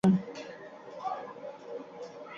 তিনি রাজনীতিবিদ হিসেবে সক্রিয় ছিলেন।